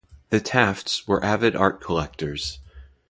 The Tafts were avid art collectors.